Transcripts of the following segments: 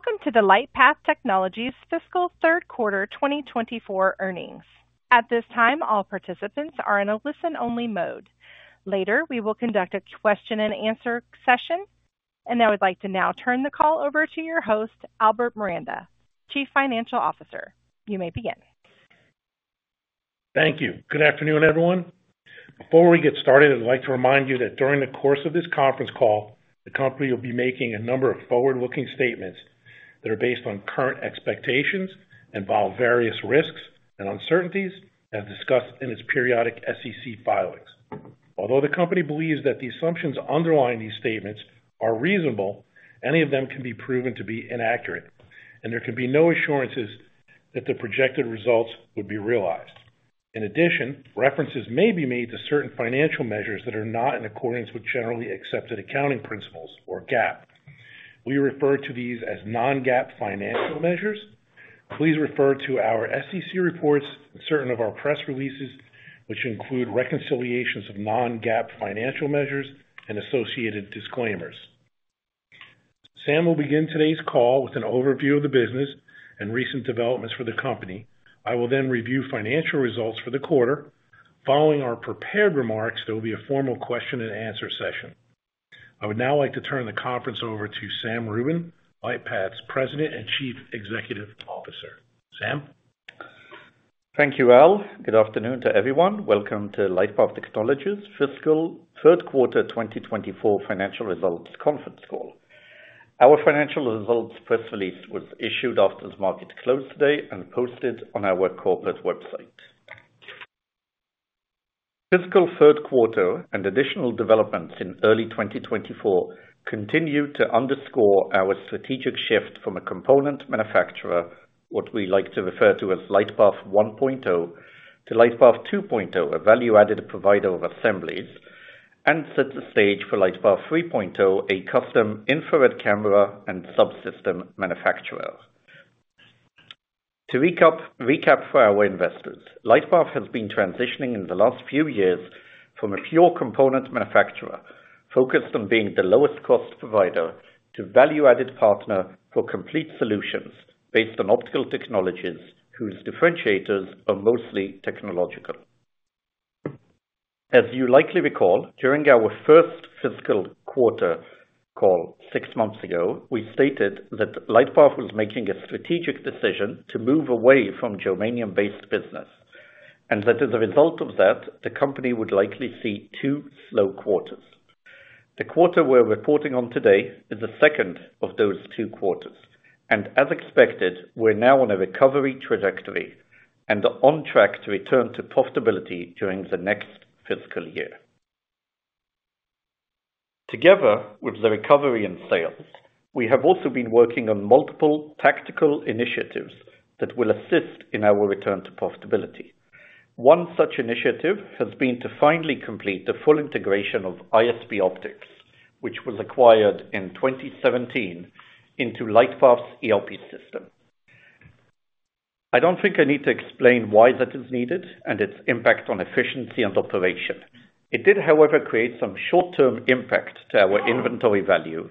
Welcome to the LightPath Technologies Fiscal Third Quarter 2024 Earnings. At this time, all participants are in a listen-only mode. Later, we will conduct a question-and-answer session, and I would like to now turn the call over to your host, Albert Miranda, Chief Financial Officer. You may begin. Thank you. Good afternoon, everyone. Before we get started, I'd like to remind you that during the course of this conference call, the company will be making a number of forward-looking statements that are based on current expectations, involve various risks and uncertainties, as discussed in its periodic SEC filings. Although the company believes that the assumptions underlying these statements are reasonable, any of them can be proven to be inaccurate, and there can be no assurances that the projected results would be realized. In addition, references may be made to certain financial measures that are not in accordance with generally accepted accounting principles or GAAP. We refer to these as non-GAAP financial measures. Please refer to our SEC reports and certain of our press releases, which include reconciliations of non-GAAP financial measures and associated disclaimers. Sam will begin today's call with an overview of the business and recent developments for the company. I will then review financial results for the quarter. Following our prepared remarks, there will be a formal question-and-answer session. I would now like to turn the conference over to Sam Rubin, LightPath's President and Chief Executive Officer. Sam? Thank you, Al. Good afternoon to everyone. Welcome to LightPath Technologies' Fiscal Third Quarter 2024 Financial Results Conference Call. Our financial results press release was issued after the market closed today and posted on our corporate website. Fiscal third quarter and additional developments in early 2024 continue to underscore our strategic shift from a component manufacturer, what we like to refer to as LightPath 1.0, to LightPath 2.0, a value-added provider of assemblies, and set the stage for LightPath 3.0, a custom infrared camera and subsystem manufacturer. To recap, recap for our investors, LightPath has been transitioning in the last few years from a pure component manufacturer focused on being the lowest cost provider, to value-added partner for complete solutions based on optical technologies, whose differentiators are mostly technological. As you likely recall, during our first fiscal quarter call six months ago, we stated that LightPath was making a strategic decision to move away from germanium-based business, and that as a result of that, the company would likely see two slow quarters. The quarter we're reporting on today is the second of those two quarters, and as expected, we're now on a recovery trajectory and are on track to return to profitability during the next fiscal year. Together with the recovery in sales, we have also been working on multiple tactical initiatives that will assist in our return to profitability. One such initiative has been to finally complete the full integration of ISP Optics, which was acquired in 2017 into LightPath's ERP system. I don't think I need to explain why that is needed and its impact on efficiency and operation. It did, however, create some short-term impact to our inventory value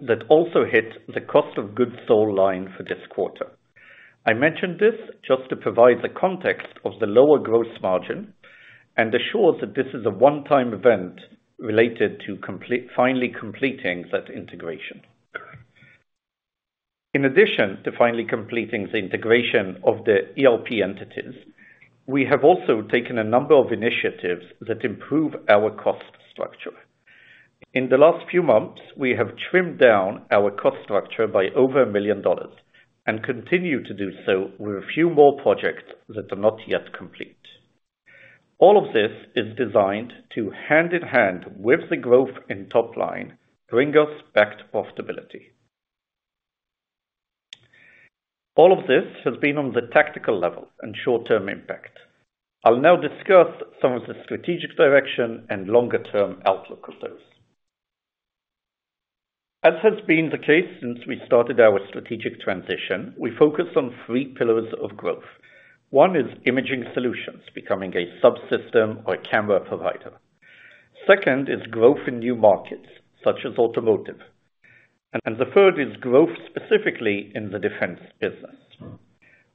that also hit the cost of goods sold line for this quarter. I mention this just to provide the context of the lower gross margin and assure that this is a one-time event related to finally completing that integration. In addition to finally completing the integration of the ISP entities, we have also taken a number of initiatives that improve our cost structure. In the last few months, we have trimmed down our cost structure by over $1 million and continue to do so with a few more projects that are not yet complete. All of this is designed to hand in hand with the growth in top line, bring us back to profitability. All of this has been on the tactical level and short-term impact. I'll now discuss some of the strategic direction and longer-term outlook of those. As has been the case since we started our strategic transition, we focus on three pillars of growth. One is imaging solutions, becoming a subsystem or camera provider. Second is growth in new markets, such as automotive. And the third is growth, specifically in the defense business.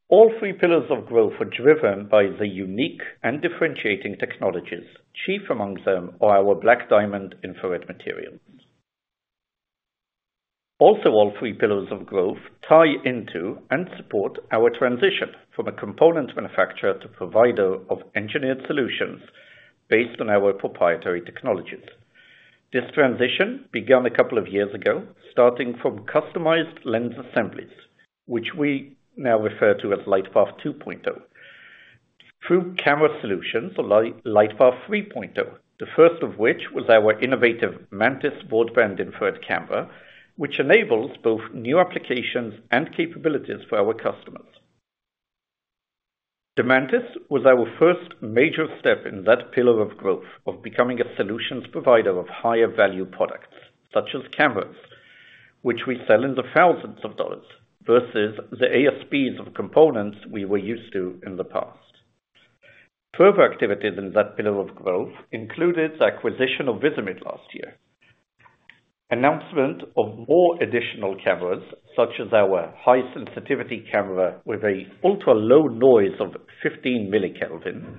All three pillars of growth are driven by the unique and differentiating technologies. Chief among them are our BlackDiamond infrared materials. Also, all three pillars of growth tie into and support our transition from a component manufacturer to provider of engineered solutions based on our proprietary technologies. This transition began a couple of years ago, starting from customized lens assemblies, which we now refer to as LightPath 2.0. Through camera solutions for LightPath 3.0, the first of which was our innovative Mantis broadband infrared camera, which enables both new applications and capabilities for our customers. The Mantis was our first major step in that pillar of growth, of becoming a solutions provider of higher value products, such as cameras, which we sell in the thousands of dollars versus the ASPs of components we were used to in the past. Further activities in that pillar of growth included the acquisition of Visimid last year. Announcement of more additional cameras, such as our high sensitivity camera with a ultra low noise of 15 millikelvin,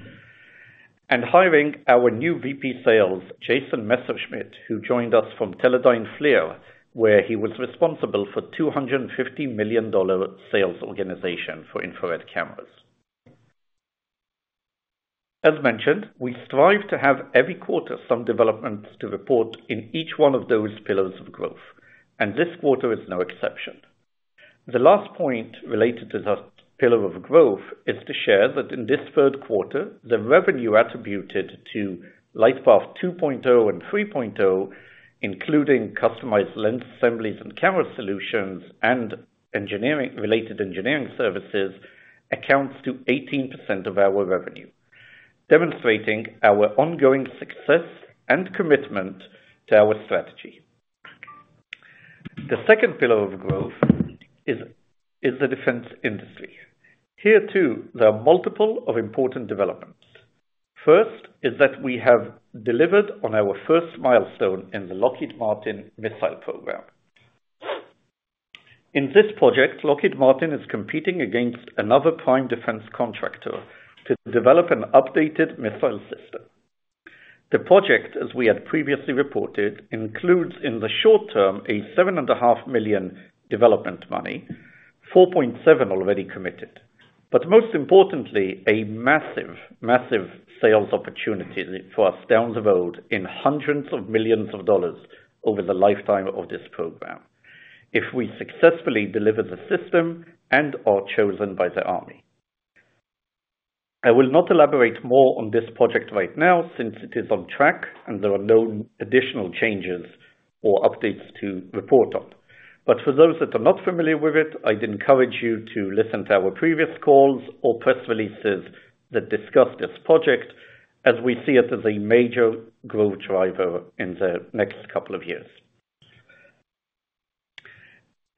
and hiring our new VP sales, Jason Messerschmidt, who joined us from Teledyne FLIR, where he was responsible for $250 million sales organization for infrared cameras. As mentioned, we strive to have every quarter some developments to report in each one of those pillars of growth, and this quarter is no exception. The last point related to that pillar of growth is to share that in this third quarter, the revenue attributed to LightPath 2.0 and 3.0, including customized lens assemblies and camera solutions and engineering, related engineering services, accounts to 18% of our revenue, demonstrating our ongoing success and commitment to our strategy. The second pillar of growth is the defense industry. Here, too, there are multiple of important developments. First, is that we have delivered on our first milestone in the Lockheed Martin missile program. In this project, Lockheed Martin is competing against another prime defense contractor to develop an updated missile system. The project, as we had previously reported, includes, in the short term, $7.5 million development money, $4.7 million already committed, but most importantly, a massive, massive sales opportunity for us down the road in hundreds of millions of dollars over the lifetime of this program, if we successfully deliver the system and are chosen by the army. I will not elaborate more on this project right now, since it is on track and there are no additional changes or updates to report on. But for those that are not familiar with it, I'd encourage you to listen to our previous calls or press releases that discuss this project as we see it as a major growth driver in the next couple of years.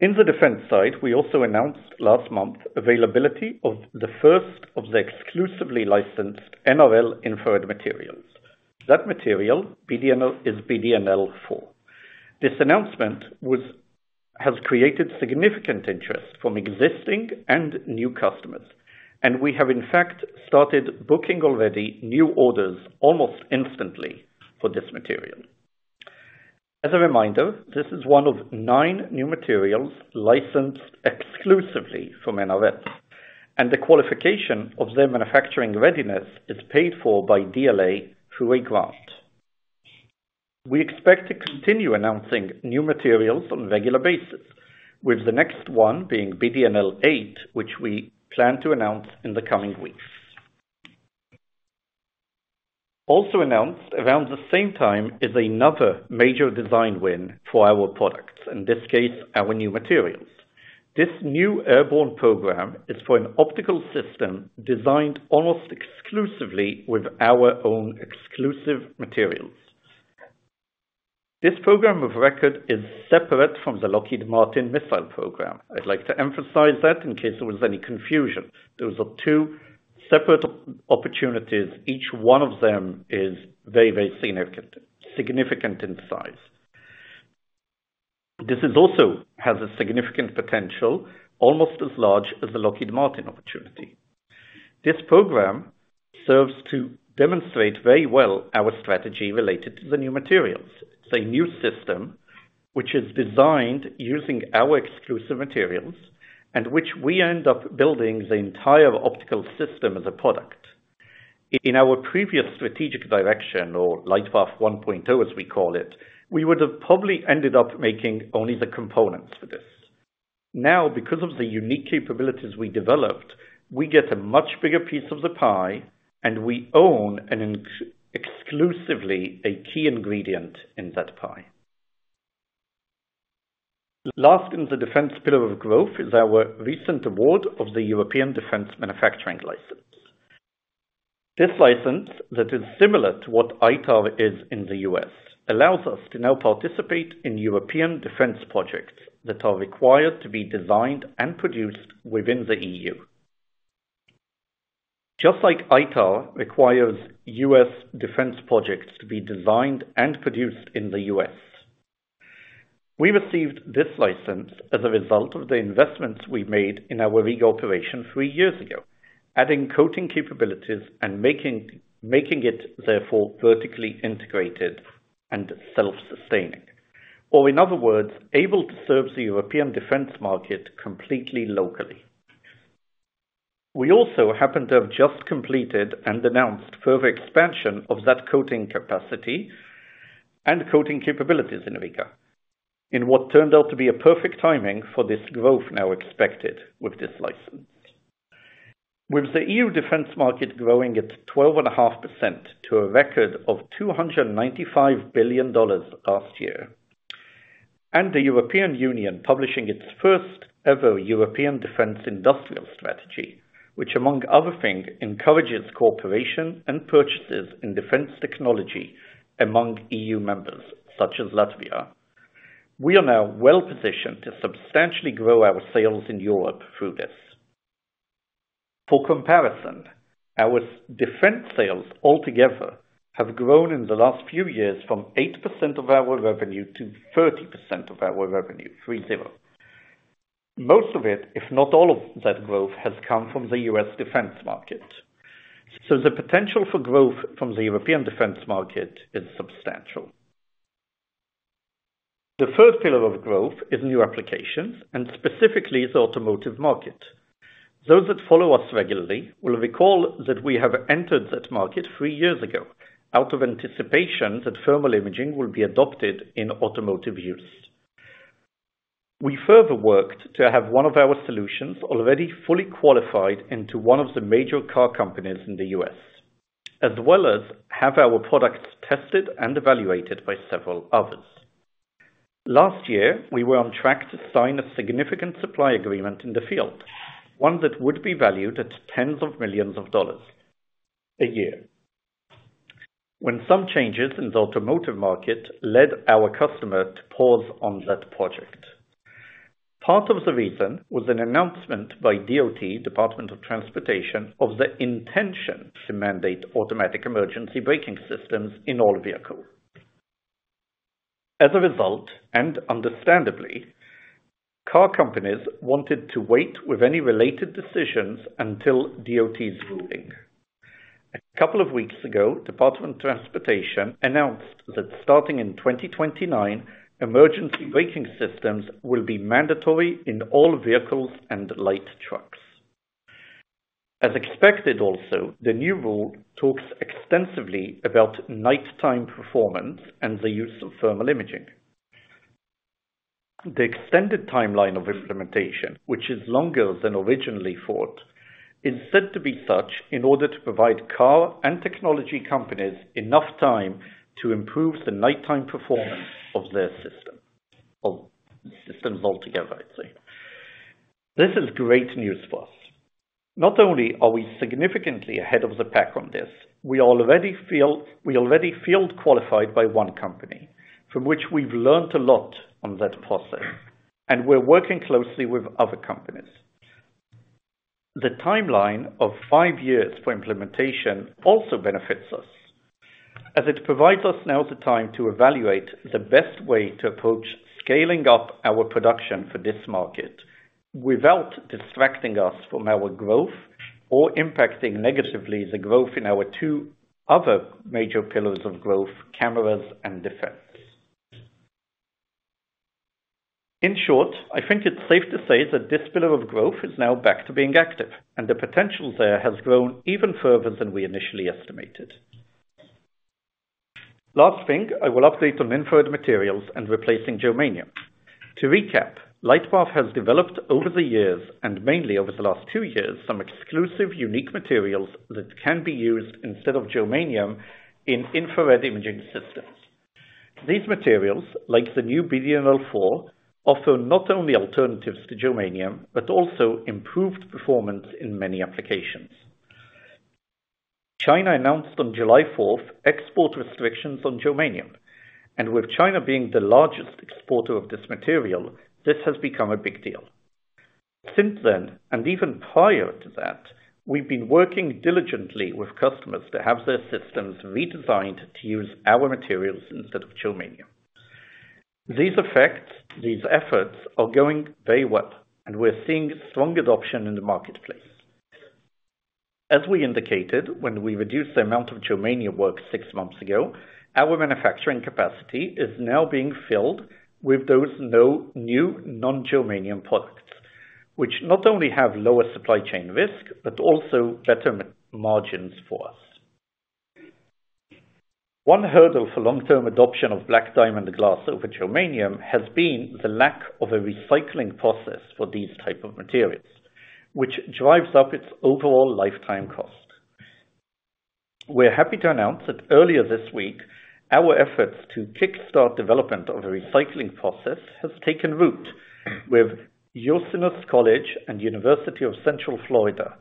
In the defense side, we also announced last month availability of the first of the exclusively licensed NRL infrared materials. That material, BDNL, is BDNL-4. This announcement has created significant interest from existing and new customers, and we have, in fact, started booking already new orders almost instantly for this material. As a reminder, this is one of nine new materials licensed exclusively from NRL, and the qualification of their manufacturing readiness is paid for by DLA through a grant. We expect to continue announcing new materials on a regular basis, with the next one being BDNL-8, which we plan to announce in the coming weeks. Also announced around the same time is another major design win for our products, in this case, our new materials. This new airborne program is for an optical system designed almost exclusively with our own exclusive materials. This program of record is separate from the Lockheed Martin missile program. I'd like to emphasize that in case there was any confusion. Those are two separate opportunities. Each one of them is very, very significant, significant in size. This also has a significant potential, almost as large as the Lockheed Martin opportunity. This program serves to demonstrate very well our strategy related to the new materials. It's a new system which is designed using our exclusive materials and which we end up building the entire optical system as a product. In our previous strategic direction, or LightPath 1.0, as we call it, we would have probably ended up making only the components for this. Now, because of the unique capabilities we developed, we get a much bigger piece of the pie, and we own exclusively, a key ingredient in that pie. Last, in the defense pillar of growth is our recent award of the European Defense Manufacturing License. This license, that is similar to what ITAR is in the U.S., allows us to now participate in European defense projects that are required to be designed and produced within the E.U. Just like ITAR requires U.S. defense projects to be designed and produced in the U.S., we received this license as a result of the investments we made in our Riga operation three years ago, adding coating capabilities and making it therefore vertically integrated and self-sustaining, or in other words, able to serve the European defense market completely locally. We also happen to have just completed and announced further expansion of that coating capacity and coating capabilities in Riga, in what turned out to be a perfect timing for this growth now expected with this license. With the E.U. defense market growing at 12.5% to a record of $295 billion last year, and the European Union publishing its first-ever European Defense Industrial Strategy, which among other things, encourages cooperation and purchases in defense technology among E.U. members, such as Latvia.... We are now well positioned to substantially grow our sales in Europe through this. For comparison, our defense sales altogether have grown in the last few years from 8% of our revenue to 30% of our revenue, 30. Most of it, if not all of that growth, has come from the U.S. defense market. So the potential for growth from the European defense market is substantial. The third pillar of growth is new applications, and specifically the automotive market. Those that follow us regularly will recall that we have entered that market three years ago, out of anticipation that thermal imaging will be adopted in automotive use. We further worked to have one of our solutions already fully qualified into one of the major car companies in the U.S., as well as have our products tested and evaluated by several others. Last year, we were on track to sign a significant supply agreement in the field, one that would be valued at tens of millions of dollars a year. When some changes in the automotive market led our customer to pause on that project, part of the reason was an announcement by DOT, Department of Transportation, of the intention to mandate automatic emergency braking systems in all vehicles. As a result, and understandably, car companies wanted to wait with any related decisions until DOT's ruling. A couple of weeks ago, Department of Transportation announced that starting in 2029, emergency braking systems will be mandatory in all vehicles and light trucks. As expected, also, the new rule talks extensively about nighttime performance and the use of thermal imaging. The extended timeline of implementation, which is longer than originally thought, is said to be such in order to provide car and technology companies enough time to improve the nighttime performance of their system, of systems altogether, I'd say. This is great news for us. Not only are we significantly ahead of the pack on this, we already field qualified by one company, from which we've learned a lot on that process, and we're working closely with other companies. The timeline of five years for implementation also benefits us, as it provides us now the time to evaluate the best way to approach scaling up our production for this market, without distracting us from our growth or impacting negatively the growth in our two other major pillars of growth, cameras and defense. In short, I think it's safe to say that this pillar of growth is now back to being active, and the potential there has grown even further than we initially estimated. Last thing, I will update on infrared materials and replacing germanium. To recap, LightPath has developed over the years, and mainly over the last two years, some exclusive, unique materials that can be used instead of germanium in infrared imaging systems. These materials, like the new BDNL-4, offer not only alternatives to germanium, but also improved performance in many applications. China announced on July 4th export restrictions on germanium, and with China being the largest exporter of this material, this has become a big deal. Since then, and even prior to that, we've been working diligently with customers to have their systems redesigned to use our materials instead of germanium. These effects, these efforts are going very well, and we're seeing strong adoption in the marketplace. As we indicated, when we reduced the amount of germanium work six months ago, our manufacturing capacity is now being filled with those no new non-germanium products, which not only have lower supply chain risk, but also better margins for us. One hurdle for long-term adoption of BlackDiamond glass over germanium has been the lack of a recycling process for these type of materials, which drives up its overall lifetime cost. We're happy to announce that earlier this week, our efforts to kickstart development of a recycling process has taken root with Ursinus College and University of Central Florida,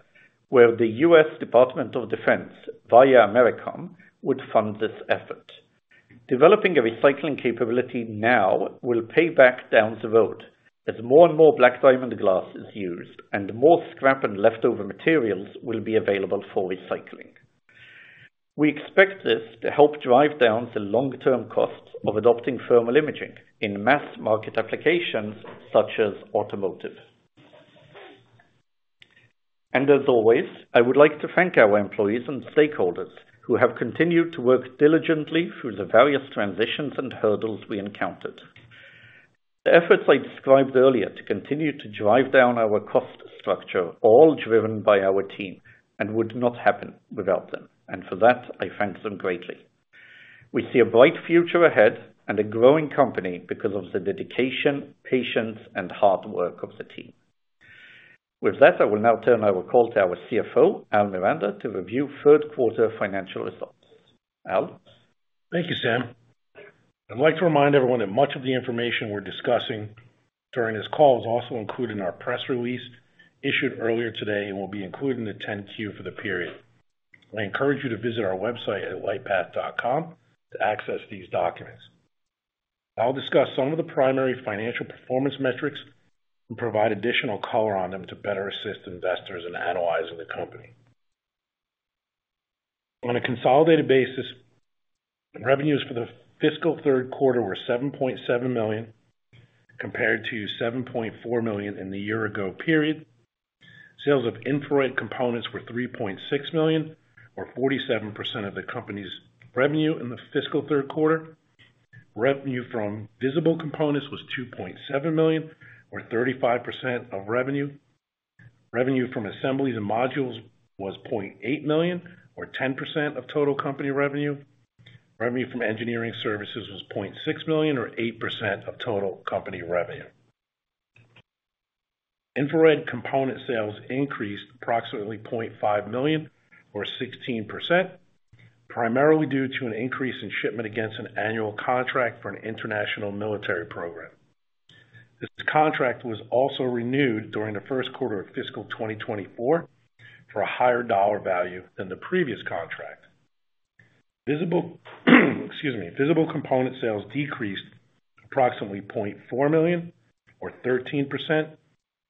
where the U.S. Department of Defense, via AmeriCOM, would fund this effort. Developing a recycling capability now will pay back down the road as more and more BlackDiamond glass is used and more scrap and leftover materials will be available for recycling. We expect this to help drive down the long-term costs of adopting thermal imaging in mass market applications such as automotive. And as always, I would like to thank our employees and stakeholders who have continued to work diligently through the various transitions and hurdles we encountered. The efforts I described earlier to continue to drive down our cost structure, all driven by our team, and would not happen without them, and for that, I thank them greatly. We see a bright future ahead and a growing company because of the dedication, patience, and hard work of the team. With that, I will now turn our call to our CFO, Al Miranda, to review third quarter financial results. Al? Thank you, Sam. I'd like to remind everyone that much of the information we're discussing during this call is also included in our press release issued earlier today and will be included in the 10-Q for the period. I encourage you to visit our website at lightpath.com to access these documents. I'll discuss some of the primary financial performance metrics and provide additional color on them to better assist investors in analyzing the company. On a consolidated basis, revenues for the fiscal third quarter were $7.7 million, compared to $7.4 million in the year ago period. Sales of infrared components were $3.6 million, or 47% of the company's revenue in the fiscal third quarter. Revenue from visible components was $2.7 million, or 35% of revenue. Revenue from assemblies and modules was $0.8 million, or 10% of total company revenue. Revenue from engineering services was $0.6 million, or 8% of total company revenue. Infrared component sales increased approximately $0.5 million, or 16%, primarily due to an increase in shipment against an annual contract for an international military program. This contract was also renewed during the first quarter of fiscal 2024 for a higher dollar value than the previous contract. Visible, excuse me, visible component sales decreased approximately $0.4 million or 13%,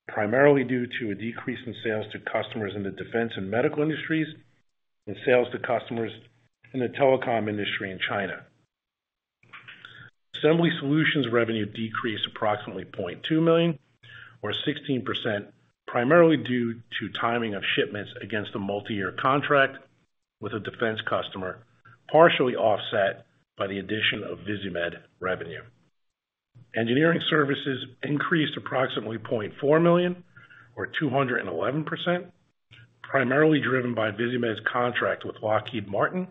primarily due to a decrease in sales to customers in the defense and medical industries and sales to customers in the telecom industry in China. Assembly solutions revenue decreased approximately $0.2 million or 16%, primarily due to timing of shipments against a multi-year contract with a defense customer, partially offset by the addition of Visimid revenue. Engineering services increased approximately $0.4 million or 211%, primarily driven by Visimid's contract with Lockheed Martin,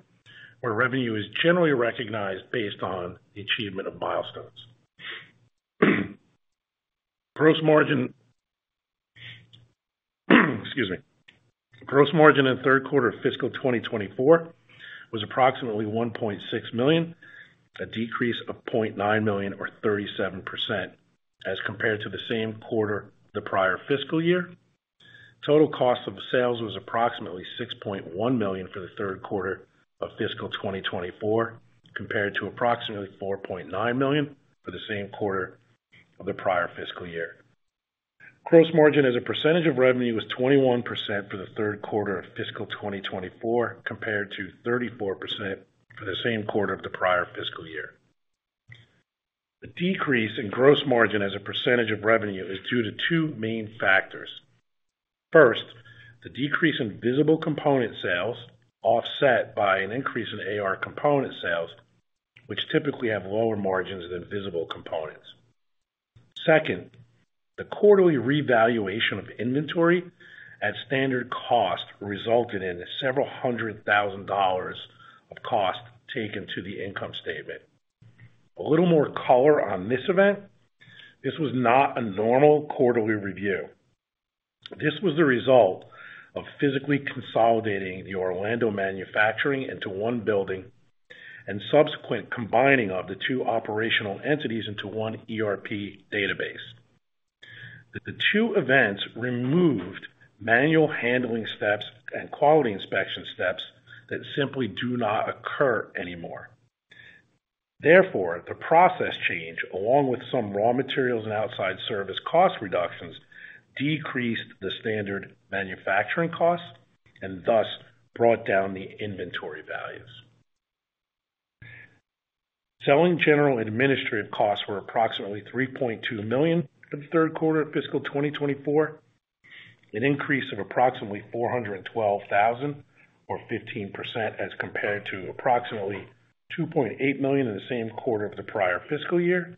where revenue is generally recognized based on the achievement of milestones. Gross margin, excuse me. Gross margin in the third quarter of fiscal 2024 was approximately $1.6 million, a decrease of $0.9 million or 37% as compared to the same quarter the prior fiscal year. Total cost of sales was approximately $6.1 million for the third quarter of fiscal 2024, compared to approximately $4.9 million for the same quarter of the prior fiscal year. Gross margin, as a percentage of revenue, was 21% for the third quarter of fiscal 2024, compared to 34% for the same quarter of the prior fiscal year. The decrease in gross margin as a percentage of revenue is due to two main factors. First, the decrease in visible component sales, offset by an increase in AR component sales, which typically have lower margins than visible components. Second, the quarterly revaluation of inventory at standard cost resulted in several hundred thousand dollars of cost taken to the income statement. A little more color on this event. This was not a normal quarterly review. This was the result of physically consolidating the Orlando manufacturing into one building and subsequent combining of the two operational entities into one ERP database. That the two events removed manual handling steps and quality inspection steps that simply do not occur anymore. Therefore, the process change, along with some raw materials and outside service cost reductions, decreased the standard manufacturing cost and thus brought down the inventory values. Selling general administrative costs were approximately $3.2 million for the third quarter of fiscal 2024, an increase of approximately $412,000, or 15%, as compared to approximately $2.8 million in the same quarter of the prior fiscal year.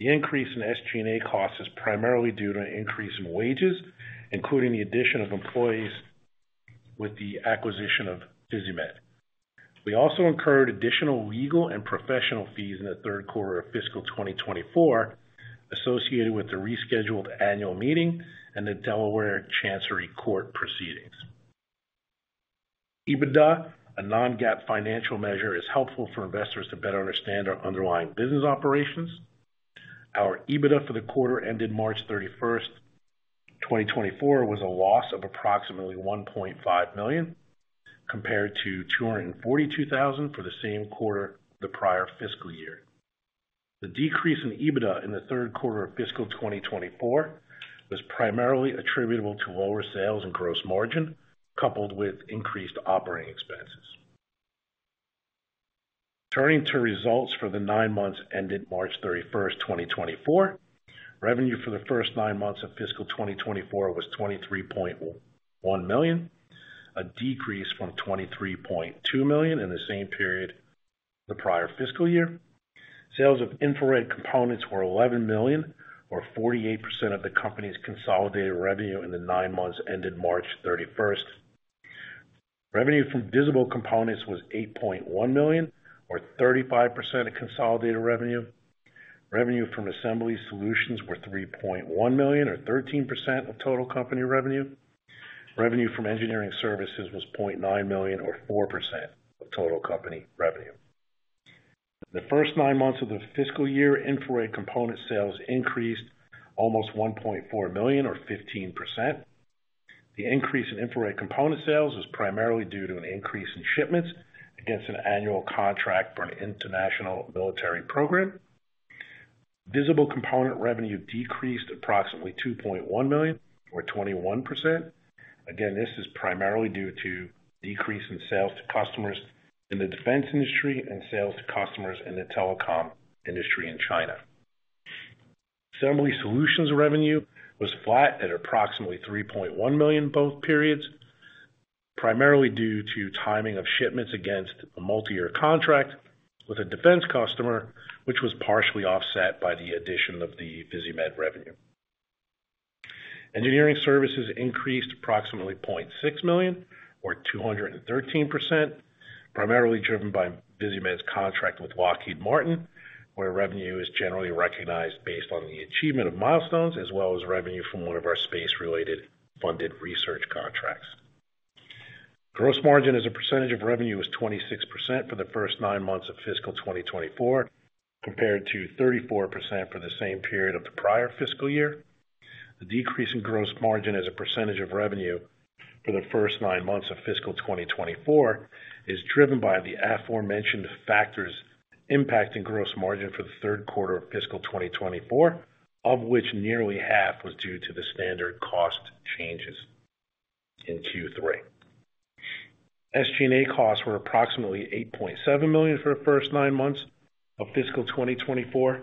The increase in SG&A costs is primarily due to an increase in wages, including the addition of employees with the acquisition of Visimid. We also incurred additional legal and professional fees in the third quarter of fiscal 2024, associated with the rescheduled annual meeting and the Delaware Chancery Court proceedings. EBITDA, a non-GAAP financial measure, is helpful for investors to better understand our underlying business operations. Our EBITDA for the quarter ended March 31st, 2024, was a loss of approximately $1.5 million, compared to $242,000 for the same quarter the prior fiscal year. The decrease in EBITDA in the third quarter of fiscal 2024 was primarily attributable to lower sales and gross margin, coupled with increased operating expenses. Turning to results for the nine months ended March 31st, 2024. Revenue for the first nine months of fiscal 2024 was $23.1 million, a decrease from $23.2 million in the same period the prior fiscal year. Sales of infrared components were $11 million, or 48% of the company's consolidated revenue in the nine months ended March 31st. Revenue from visible components was $8.1 million, or 35% of consolidated revenue. Revenue from assembly solutions were $3.1 million, or 13% of total company revenue. Revenue from engineering services was $0.9 million, or 4% of total company revenue. The first nine months of the fiscal year, infrared component sales increased almost $1.4 million or 15%. The increase in infrared component sales was primarily due to an increase in shipments against an annual contract for an international military program. Visible component revenue decreased approximately $2.1 million or 21%. Again, this is primarily due to decrease in sales to customers in the defense industry and sales to customers in the telecom industry in China. Assembly solutions revenue was flat at approximately $3.1 million both periods, primarily due to timing of shipments against a multi-year contract with a defense customer, which was partially offset by the addition of the Visimid revenue. Engineering services increased approximately $0.6 million or 213%, primarily driven by Visimid's contract with Lockheed Martin, where revenue is generally recognized based on the achievement of milestones, as well as revenue from one of our space-related funded research contracts. Gross margin as a percentage of revenue was 26% for the first nine months of fiscal 2024, compared to 34% for the same period of the prior fiscal year. The decrease in gross margin as a percentage of revenue for the first nine months of fiscal 2024 is driven by the aforementioned factors impacting gross margin for the third quarter of fiscal 2024, of which nearly half was due to the standard cost changes in Q3. SG&A costs were approximately $8.7 million for the first nine months of fiscal 2024,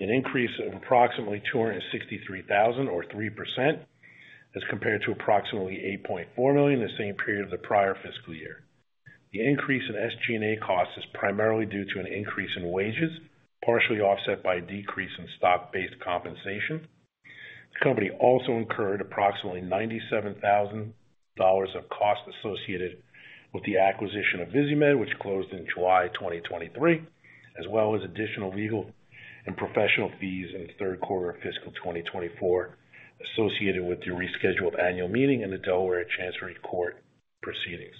an increase of approximately $263,000 or 3% as compared to approximately $8.4 million in the same period of the prior fiscal year. The increase in SG&A costs is primarily due to an increase in wages, partially offset by a decrease in stock-based compensation. The company also incurred approximately $97,000 of costs associated with the acquisition of Visimid, which closed in July 2023, as well as additional legal and professional fees in the third quarter of fiscal 2024, associated with the rescheduled annual meeting in the Delaware Chancery Court proceedings.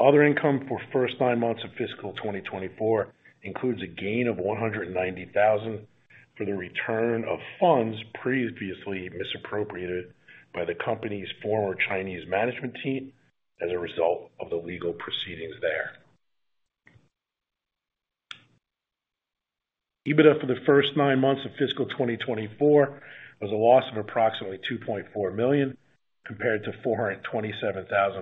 Other income for first nine months of fiscal 2024 includes a gain of $190,000 for the return of funds previously misappropriated by the company's former Chinese management team as a result of the legal proceedings there. EBITDA for the first nine months of fiscal 2024 was a loss of approximately $2.4 million, compared to $427,000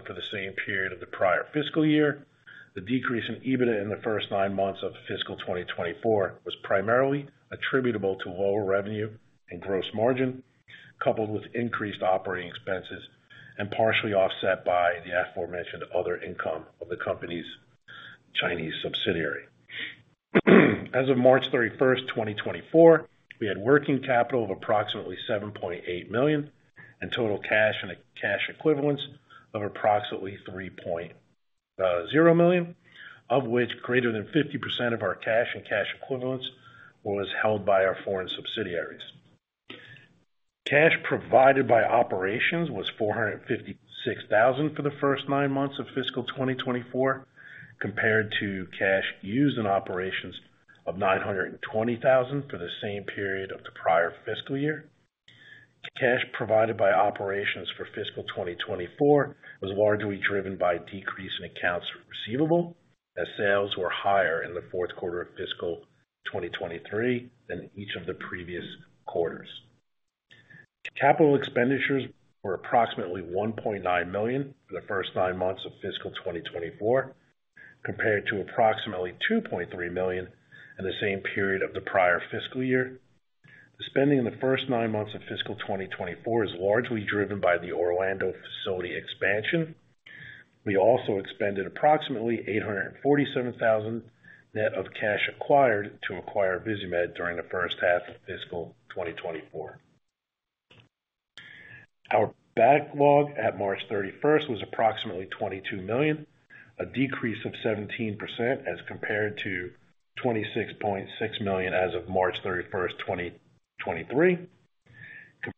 for the same period of the prior fiscal year. The decrease in EBITDA in the first nine months of fiscal 2024 was primarily attributable to lower revenue and gross margin, coupled with increased operating expenses and partially offset by the aforementioned other income of the company's Chinese subsidiary. As of March 31st, 2024, we had working capital of approximately $7.8 million and total cash and cash equivalents of approximately $3.0 million, of which greater than 50% of our cash and cash equivalents was held by our foreign subsidiaries. Cash provided by operations was $456,000 for the first nine months of fiscal 2024, compared to cash used in operations of $920,000 for the same period of the prior fiscal year. Cash provided by operations for fiscal 2024 was largely driven by a decrease in accounts receivable, as sales were higher in the fourth quarter of fiscal 2023 than each of the previous quarters. Capital expenditures were approximately $1.9 million for the first nine months of fiscal 2024, compared to approximately $2.3 million in the same period of the prior fiscal year. The spending in the first nine months of fiscal 2024 is largely driven by the Orlando facility expansion. We also expended approximately $847,000 net of cash acquired to acquire Visimid during the first half of fiscal 2024. Our backlog at March 31st was approximately $22 million, a decrease of 17% as compared to $26.6 million as of March 31st, 2023.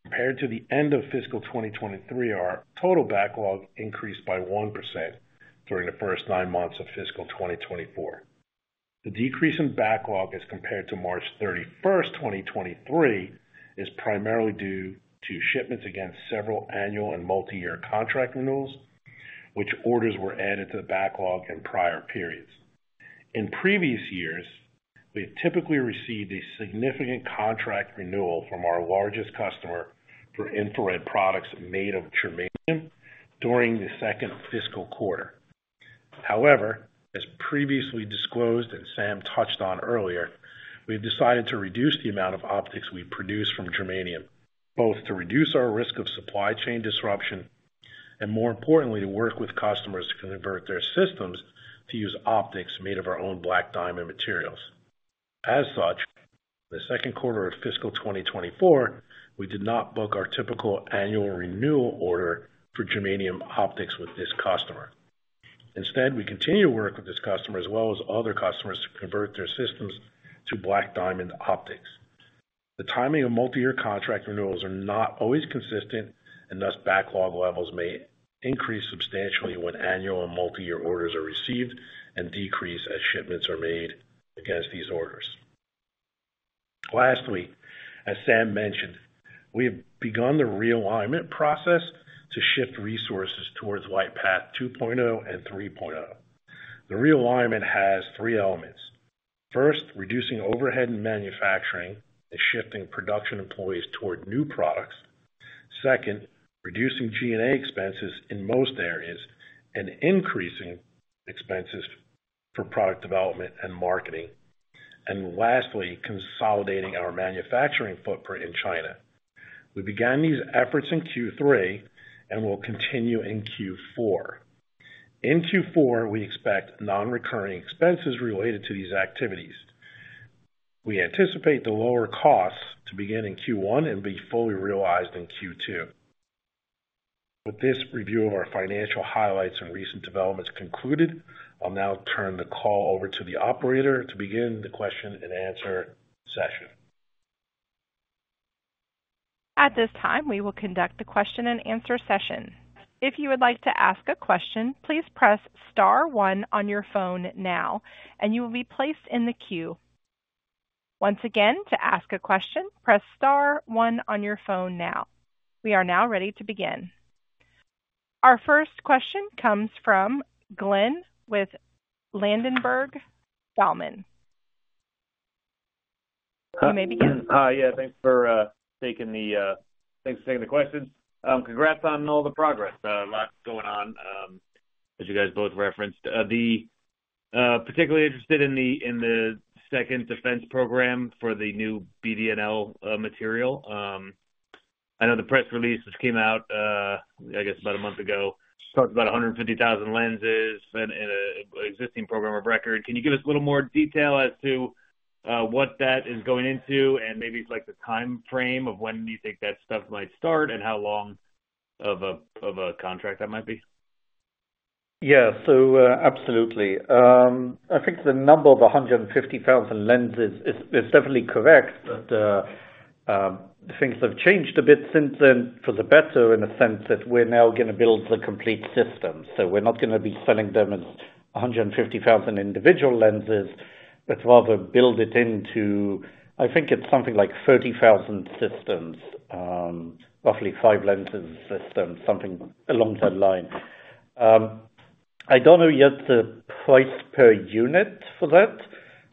Compared to the end of fiscal 2023, our total backlog increased by 1% during the first nine months of fiscal 2024. The decrease in backlog as compared to March 31st, 2023, is primarily due to shipments against several annual and multi-year contract renewals, which orders were added to the backlog in prior periods. In previous years, we have typically received a significant contract renewal from our largest customer for infrared products made of germanium during the second fiscal quarter. However, as previously disclosed and Sam touched on earlier, we've decided to reduce the amount of optics we produce from germanium, both to reduce our risk of supply chain disruption and, more importantly, to work with customers to convert their systems to use optics made of our own BlackDiamond materials. As such, the second quarter of fiscal 2024, we did not book our typical annual renewal order for germanium optics with this customer. Instead, we continue to work with this customer as well as other customers, to convert their systems to BlackDiamond Optics. The timing of multiyear contract renewals are not always consistent, and thus, backlog levels may increase substantially when annual and multiyear orders are received and decrease as shipments are made against these orders. Lastly, as Sam mentioned, we have begun the realignment process to shift resources towards LightPath 2.0 and 3.0. The realignment has three elements. First, reducing overhead and manufacturing and shifting production employees toward new products. Second, reducing G&A expenses in most areas and increasing expenses for product development and marketing. And lastly, consolidating our manufacturing footprint in China. We began these efforts in Q3 and will continue in Q4. In Q4, we expect non-recurring expenses related to these activities. We anticipate the lower costs to begin in Q1 and be fully realized in Q2. With this review of our financial highlights and recent developments concluded, I'll now turn the call over to the operator to begin the question and answer session. At this time, we will conduct the question and answer session. If you would like to ask a question, please press star one on your phone now, and you will be placed in the queue. Once again, to ask a question, press star one on your phone now. We are now ready to begin. Our first question comes from Glenn with Ladenburg Thalmann. You may begin. Yeah, thanks for taking the questions. Congrats on all the progress. A lot going on as you guys both referenced. Particularly interested in the second defense program for the new BDNL material. I know the press release which came out, I guess about a month ago, talked about 150,000 lenses and an existing program of record. Can you give us a little more detail as to what that is going into and maybe like the timeframe of when you think that stuff might start and how long of a contract that might be? Yeah. So, absolutely. I think the number of 150,000 lenses is, is definitely correct, but, things have changed a bit since then, for the better, in the sense that we're now gonna build the complete system. So we're not gonna be selling them as 150,000 individual lenses, but rather build it into... I think it's something like 30,000 systems, roughly five lenses a system, something along that line. I don't know yet the price per unit for that,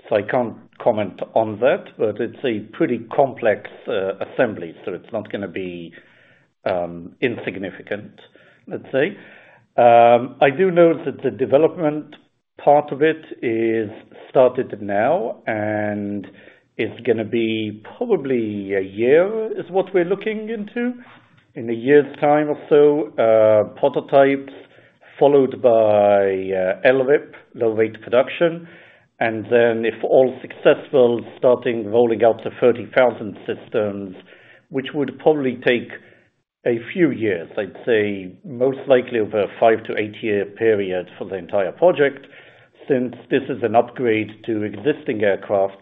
so I can't comment on that, but it's a pretty complex, assembly, so it's not gonna be, insignificant, let's say. I do know that the development part of it is started now, and it's gonna be probably a year, is what we're looking into. In a year's time or so, prototypes followed by, LRIP, Low Rate Production, and then, if all successful, starting rolling out to 30,000 systems, which would probably take a few years, I'd say most likely over a five-eight-year period for the entire project, since this is an upgrade to existing aircraft,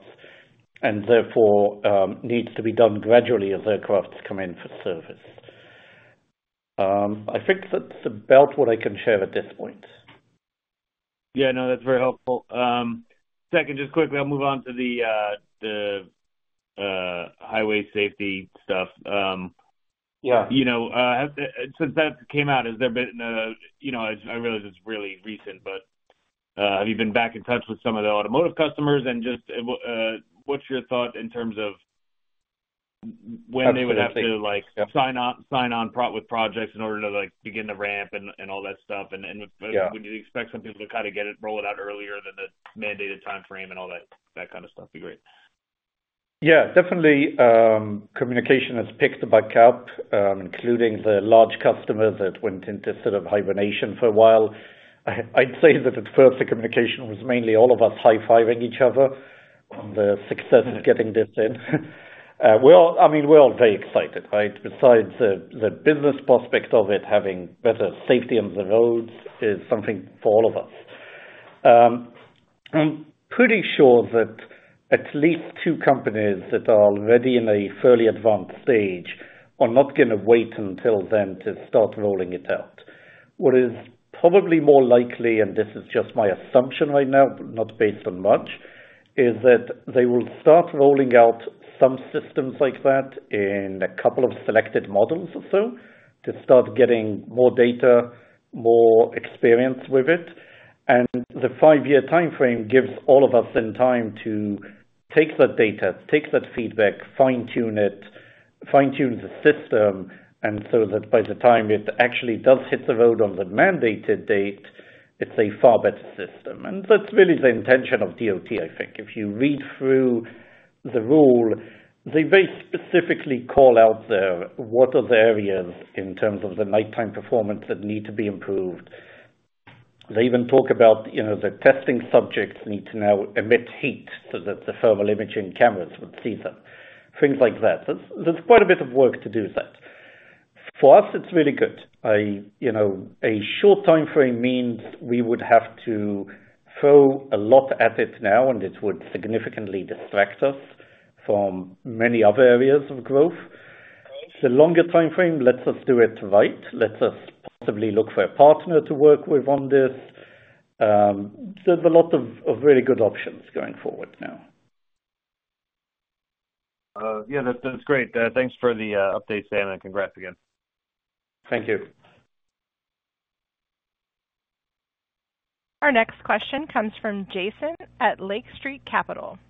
and therefore, needs to be done gradually as aircraft come in for service. I think that's about what I can share at this point. Yeah, no, that's very helpful. Second, just quickly, I'll move on to the highway safety stuff. Yeah. You know, have since that came out, has there been, you know, I realize it's really recent, but, have you been back in touch with some of the automotive customers? And just, what's your thought in terms of when they would have to, like, sign on with projects in order to, like, begin the ramp and all that stuff? Yeah. Would you expect some people to kind of get it roll it out earlier than the mandated timeframe and all that, that kind of stuff? Be great. Yeah, definitely, communication has picked back up, including the large customers that went into sort of hibernation for a while. I'd say that at first, the communication was mainly all of us high-fiving each other on the success of getting this in. We're all, I mean, we're all very excited, right? Besides the business prospect of it, having better safety on the roads is something for all of us. I'm pretty sure that at least two companies that are already in a fairly advanced stage are not gonna wait until then to start rolling it out. What is probably more likely, and this is just my assumption right now, but not based on much, is that they will start rolling out some systems like that in a couple of selected models or so, to start getting more data, more experience with it. The five-year timeframe gives all of us the time to take that data, take that feedback, fine-tune it, fine-tune the system, and so that by the time it actually does hit the road on the mandated date, it's a far better system. And that's really the intention of DOT, I think. If you read through the rule, they very specifically call out the, what are the areas in terms of the nighttime performance that need to be improved. They even talk about, you know, the testing subjects need to now emit heat so that the thermal imaging cameras would see them, things like that. There's quite a bit of work to do with that.... For us, it's really good. You know, a short timeframe means we would have to throw a lot at it now, and it would significantly distract us from many other areas of growth. The longer timeframe lets us do it right, lets us possibly look for a partner to work with on this. There's a lot of really good options going forward now. Yeah, that, that's great. Thanks for the update, Dan, and congrats again. Thank you. Our next question comes from Jaeson at Lake Street Capital. Hey,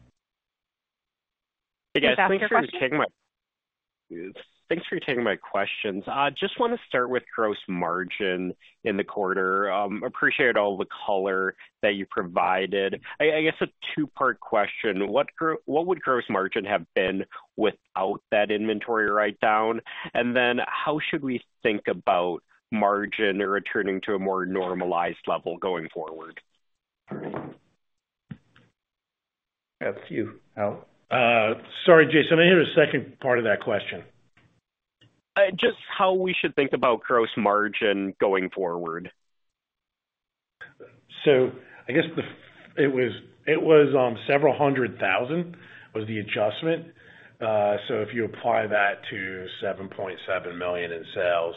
guys, thanks for taking my- Please ask your question. Thanks for taking my questions. I just wanna start with gross margin in the quarter. Appreciated all the color that you provided. I guess a two-part question: What would gross margin have been without that inventory writedown? And then, how should we think about margin returning to a more normalized level going forward? That's you, Al. Sorry, Jaeson, I didn't hear the second part of that question. Just how we should think about gross margin going forward? So I guess it was several hundred thousand, was the adjustment. So if you apply that to $7.7 million in sales,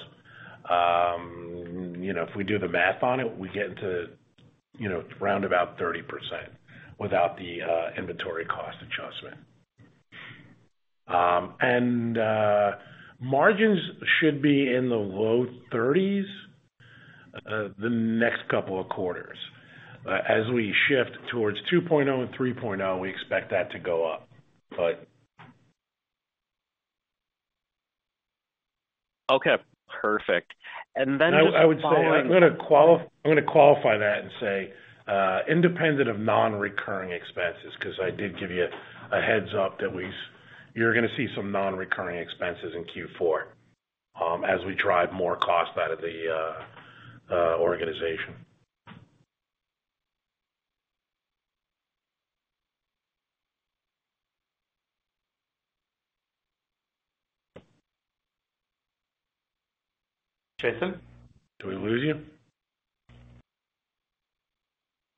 you know, if we do the math on it, we get to, you know, around about 30% without the inventory cost adjustment. And margins should be in the low 30s%, the next couple of quarters. As we shift towards 2.0 and 3.0, we expect that to go up, but... Okay, perfect. And then just following- I would say, I'm gonna qualify that and say, independent of non-recurring expenses, 'cause I did give you a heads up that you're gonna see some non-recurring expenses in Q4, as we drive more cost out of the organization. Jaeson, did we lose you?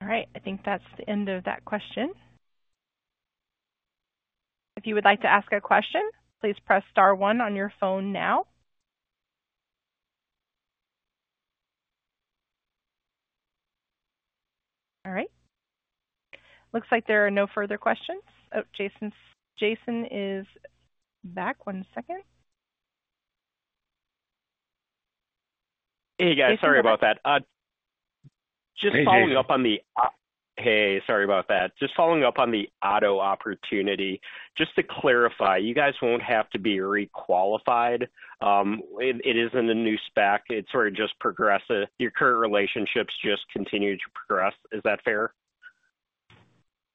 All right. I think that's the end of that question. If you would like to ask a question, please press star one on your phone now. All right. Looks like there are no further questions. Oh, Jaeson, Jaeson is back. One second. Hey, guys, sorry about that. Hey, Jaeson. Just following up on the... Hey, sorry about that. Just following up on the auto opportunity. Just to clarify, you guys won't have to be requalified? It, it is in the new spec, it sort of just progresses. Your current relationships just continue to progress. Is that fair?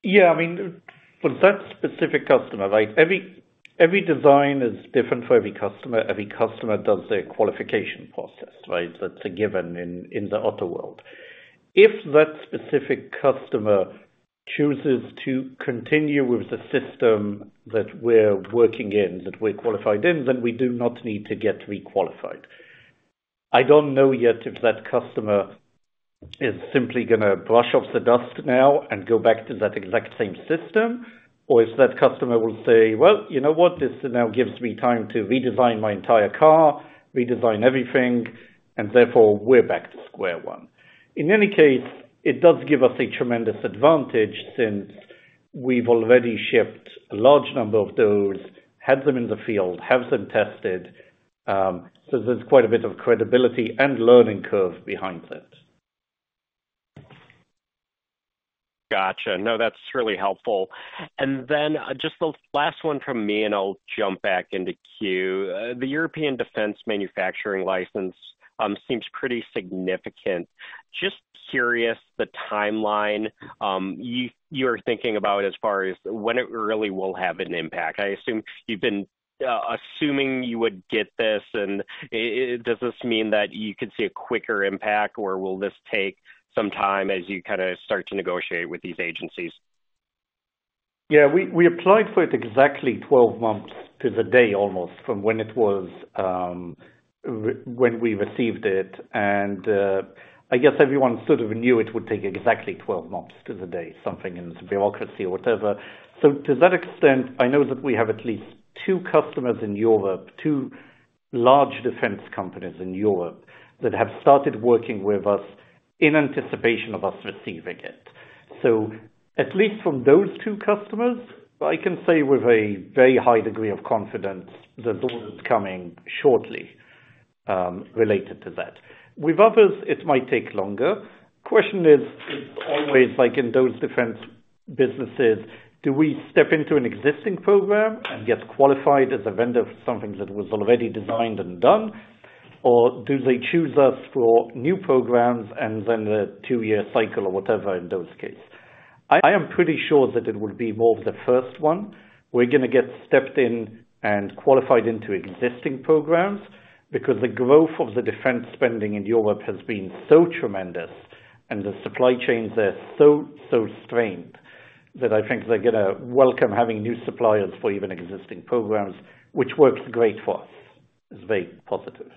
Yeah, I mean, for that specific customer, right, every design is different for every customer. Every customer does a qualification process, right? That's a given in the auto world. If that specific customer chooses to continue with the system that we're working in, that we're qualified in, then we do not need to get requalified. I don't know yet if that customer is simply gonna brush off the dust now and go back to that exact same system, or if that customer will say, "Well, you know what? This now gives me time to redesign my entire car, redesign everything," and therefore we're back to square one. In any case, it does give us a tremendous advantage since we've already shipped a large number of those, had them in the field, have them tested, so there's quite a bit of credibility and learning curve behind it. Gotcha. No, that's really helpful. And then just the last one from me, and I'll jump back into queue. The European Defense Manufacturing License seems pretty significant. Just curious, the timeline you're thinking about as far as when it really will have an impact. I assume you've been assuming you would get this, and does this mean that you could see a quicker impact, or will this take some time as you kinda start to negotiate with these agencies? Yeah, we applied for it exactly 12 months to the day, almost, from when it was when we received it, and I guess everyone sort of knew it would take exactly 12 months to the day, something in the bureaucracy or whatever. So to that extent, I know that we have at least 2 customers in Europe, two large defense companies in Europe, that have started working with us in anticipation of us receiving it. So at least from those two customers, I can say with a very high degree of confidence that order is coming shortly related to that. With others, it might take longer. Question is, is always, like in those different businesses: Do we step into an existing program and get qualified as a vendor for something that was already designed and done? Or do they choose us for new programs and then a two-year cycle or whatever in those case? I am pretty sure that it would be more of the first one. We're gonna get stepped in and qualified into existing programs because the growth of the defense spending in Europe has been so tremendous and the supply chains are so, so strained that I think they're gonna welcome having new suppliers for even existing programs, which works great for us. It's very positive.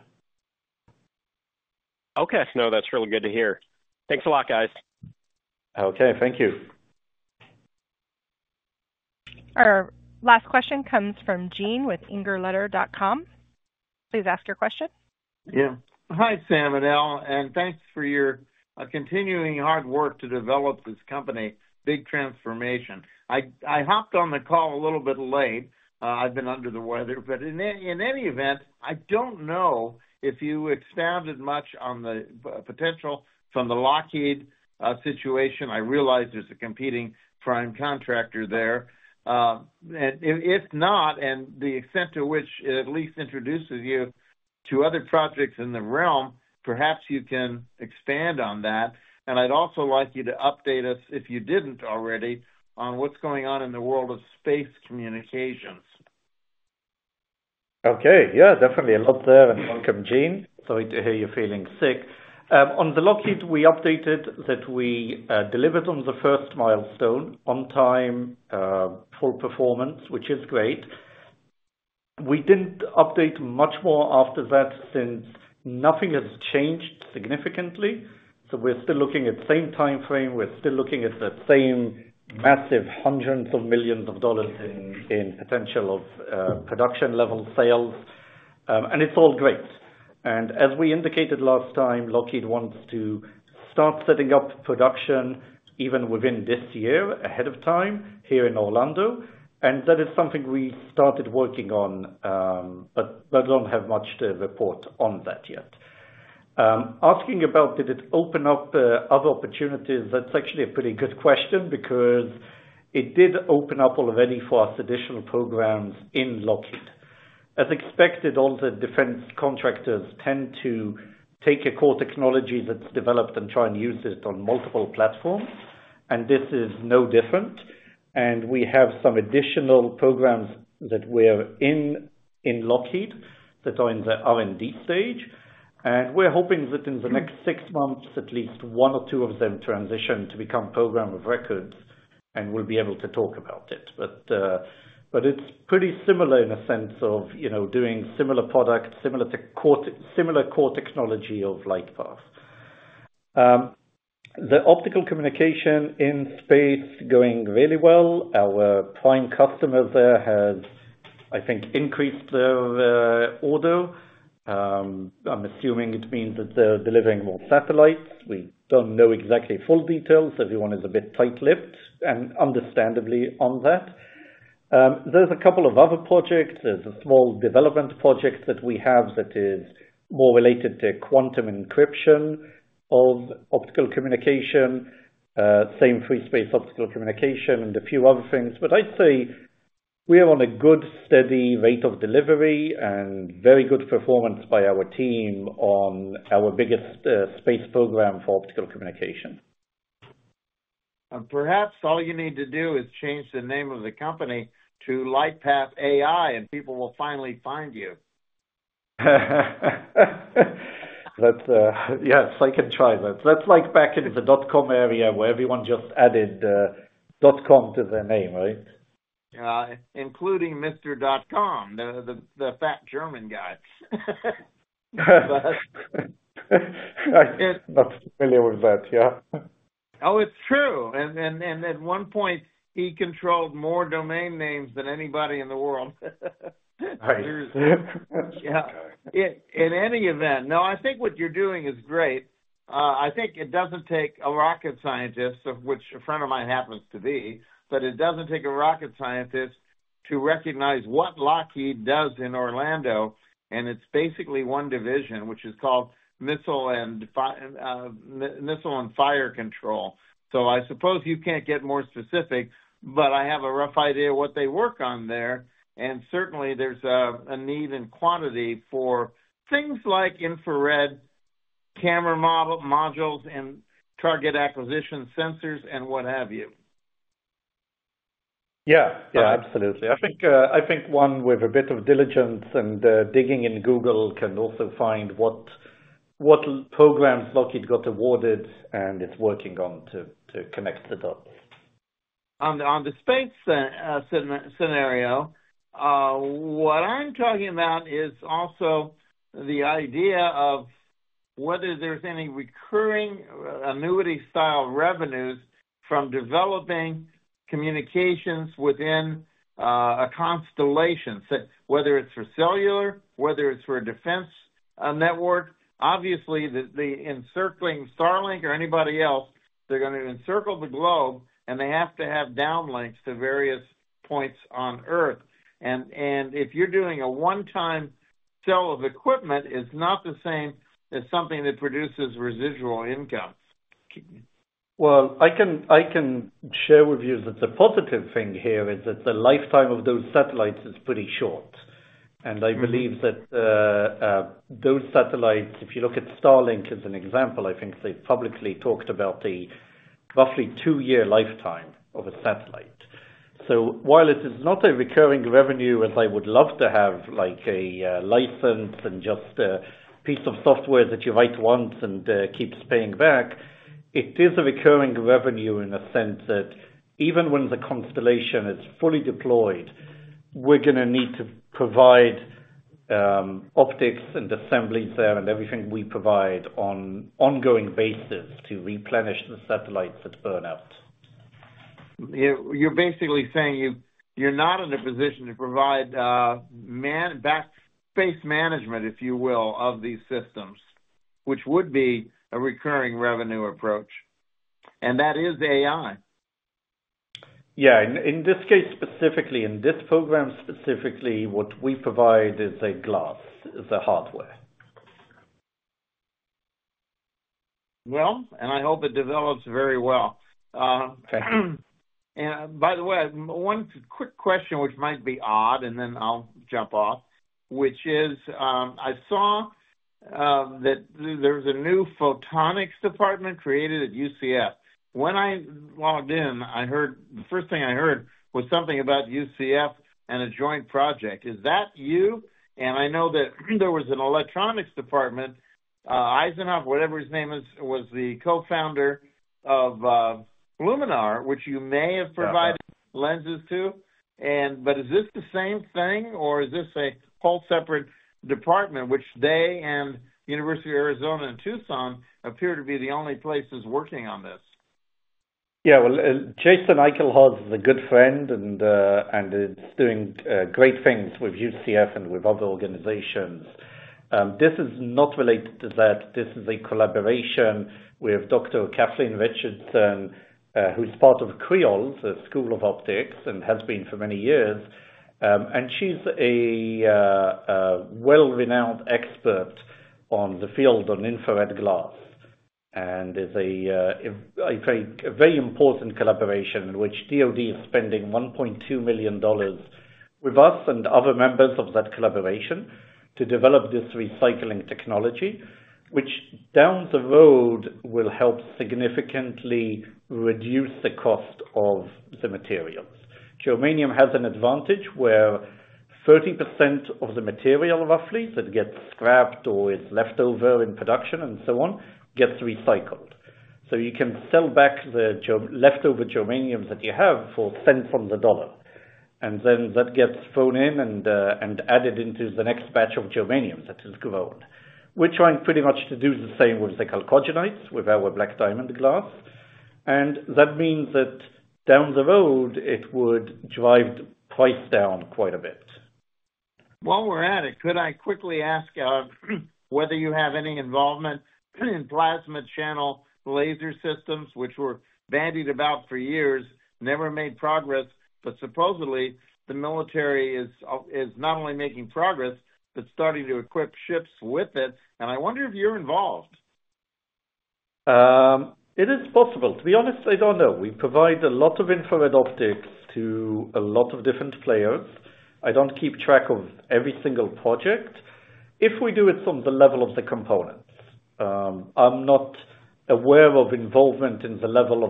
Okay. No, that's really good to hear. Thanks a lot, guys. Okay, thank you. Our last question comes from Gene with ingerletter.com. Please ask your question. Yeah. Hi, Sam and Al, and thanks for your continuing hard work to develop this company. Big transformation. I, I hopped on the call a little bit late. I've been under the weather, but in any, in any event, I don't know if you expanded much on the potential from the Lockheed situation. I realize there's a competing prime contractor there. And if, if not, and the extent to which it at least introduces you to other projects in the realm, perhaps you can expand on that. And I'd also like you to update us, if you didn't already, on what's going on in the world of space communications. Okay. Yeah, definitely a lot there. And welcome, Gene. Sorry to hear you're feeling sick. On the Lockheed, we updated that we delivered on the first milestone on time, full performance, which is great. We didn't update much more after that since nothing has changed significantly, so we're still looking at the same timeframe. We're still looking at the same massive hundreds of millions of dollars in potential of production-level sales. And it's all great. And as we indicated last time, Lockheed wants to start setting up production even within this year, ahead of time, here in Orlando, and that is something we started working on, but I don't have much to report on that yet. Asking about did it open up other opportunities? That's actually a pretty good question because it did open up already for us additional programs in Lockheed. As expected, all the defense contractors tend to take a core technology that's developed and try and use it on multiple platforms, and this is no different. We have some additional programs that we're in, in Lockheed, that are in the R&D stage. We're hoping that in the next six months, at least one or two of them transition to become program of records, and we'll be able to talk about it. But, but it's pretty similar in the sense of, you know, doing similar products, similar to core, similar core technology of LightPath. The optical communication in space is going really well. Our prime customer there has, I think, increased their, order. I'm assuming it means that they're delivering more satellites. We don't know exactly full details. Everyone is a bit tight-lipped, and understandably, on that. There's a couple of other projects. There's a small development project that we have that is more related to quantum encryption of optical communication, same free space optical communication and a few other things. But I'd say we are on a good, steady rate of delivery and very good performance by our team on our biggest, space program for optical communication. Perhaps all you need to do is change the name of the company to LightPath AI, and people will finally find you. That's... Yes, I can try that. That's like back in the dot-com era, where everyone just added dot-com to their name, right? Including Mr. Dotcom, the fat German guy. I'm not familiar with that, yeah. Oh, it's true. And at one point, he controlled more domain names than anybody in the world. Right. Yeah. In any event, no, I think what you're doing is great. I think it doesn't take a rocket scientist, of which a friend of mine happens to be, but it doesn't take a rocket scientist to recognize what Lockheed does in Orlando, and it's basically one division, which is called Missile and Fire Control. So I suppose you can't get more specific, but I have a rough idea of what they work on there, and certainly there's a need and quantity for things like infrared camera modules and target acquisition sensors and what have you. Yeah. Yeah, absolutely. I think, I think one with a bit of diligence and, digging in Google can also find what, what programs Lockheed got awarded and is working on to, to connect the dots. On the space scenario, what I'm talking about is also the idea of whether there's any recurring annuity-style revenues from developing communications within a constellation, say, whether it's for cellular, whether it's for a defense network. Obviously, the encircling Starlink or anybody else, they're gonna encircle the globe, and they have to have downlinks to various points on Earth. And if you're doing a one-time sale of equipment, it's not the same as something that produces residual income. Well, I can, I can share with you that the positive thing here is that the lifetime of those satellites is pretty short. Mm. I believe that those satellites, if you look at Starlink as an example, I think they've publicly talked about the roughly two-year lifetime of a satellite. So while it is not a recurring revenue, as I would love to have, like, a license and just a piece of software that you write once and keeps paying back, it is a recurring revenue in a sense that even when the constellation is fully deployed, we're gonna need to provide optics and assemblies there and everything we provide on ongoing basis to replenish the satellites that burn out. You're basically saying you're not in a position to provide management, if you will, of these systems, which would be a recurring revenue approach, and that is AI. Yeah. In this case, specifically, in this program, specifically, what we provide is a glass, is the hardware. Well, and I hope it develops very well. And by the way, one quick question, which might be odd, and then I'll jump off, which is, I saw that there's a new photonics department created at UCF. When I logged in, I heard... The first thing I heard was something about UCF and a joint project. Is that you? And I know that there was an electronics department, Eichenholz, whatever his name is, was the co-founder of, Luminar, which you may have provided- Yeah... lenses to, is this the same thing, or is this a whole separate department, which they and University of Arizona in Tucson appear to be the only places working on this? Yeah, well, Jason Eichenholz is a good friend and is doing great things with UCF and with other organizations. This is not related to that. This is a collaboration with Dr. Kathleen Richardson, who's part of CREOL, the School of Optics, and has been for many years. And she's a well-renowned expert in the field of infrared glass, and is a very important collaboration in which DOD is spending $1.2 million with us and other members of that collaboration to develop this recycling technology, which down the road, will help significantly reduce the cost of the materials. Germanium has an advantage, where 30% of the material, roughly, that gets scrapped or is left over in production and so on, gets recycled. So you can sell back the leftover germanium that you have for cents on the dollar, and then that gets thrown in and added into the next batch of germanium that is grown. We're trying pretty much to do the same with the chalcogenides, with our BlackDiamond glass, and that means that down the road, it would drive price down quite a bit. While we're at it, could I quickly ask whether you have any involvement in plasma channel laser systems, which were bandied about for years, never made progress, but supposedly, the military is not only making progress, but starting to equip ships with it, and I wonder if you're involved? It is possible. To be honest, I don't know. We provide a lot of infrared optics to a lot of different players. I don't keep track of every single project. If we do, it's on the level of the components. I'm not aware of involvement in the level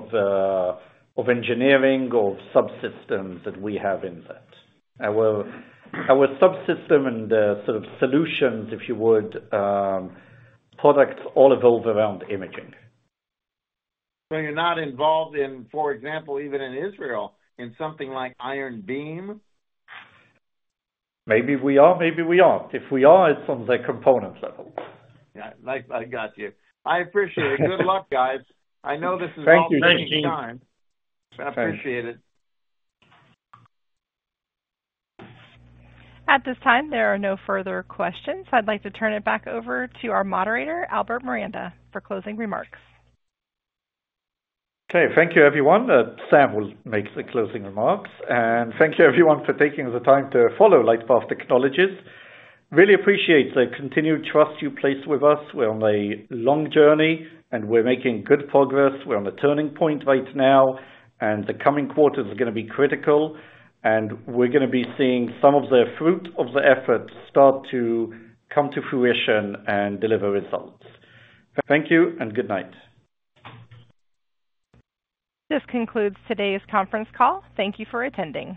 of engineering or subsystems that we have in that. Our subsystem and sort of solutions, if you would, products, all revolve around imaging. You're not involved in, for example, even in Israel, in something like Iron Beam? Maybe we are, maybe we aren't. If we are, it's on the component level. Yeah, I got you. I appreciate it. Good luck, guys. I know this is all- Thank you, Gene.... taking time. I appreciate it. At this time, there are no further questions. I'd like to turn it back over to our moderator, Albert Miranda, for closing remarks. Okay. Thank you, everyone. Sam will make the closing remarks, and thank you, everyone, for taking the time to follow LightPath Technologies. Really appreciate the continued trust you place with us. We're on a long journey, and we're making good progress. We're on a turning point right now, and the coming quarters are gonna be critical, and we're gonna be seeing some of the fruit of the efforts start to come to fruition and deliver results. Thank you and good night. This concludes today's conference call. Thank you for attending.